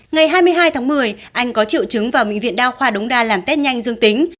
ngày hai mươi hai tháng một mươi anh có triệu chứng vào bệnh viện đa khoa đống đa làm test nhanh dương tính